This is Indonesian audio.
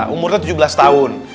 umurnya tujuh belas tahun